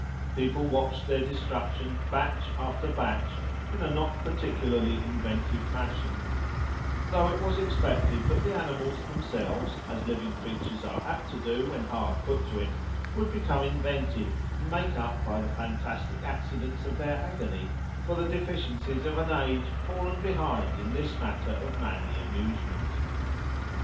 People watched their destruction, batch after batch, in a not particularly inventive fashion; though it was expected that the animals themselves, as living creatures are apt to do when hard put to it, would become inventive, and make up, by the fantastic accidents of their agony, for the deficiencies of an age fallen behind in this matter of manly amusement.